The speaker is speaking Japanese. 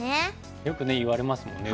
よくいわれますもんね